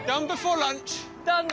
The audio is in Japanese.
ランチだ！